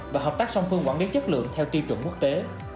và hợp tác song phương quản lý chất lượng theo tiêu chuẩn quốc tế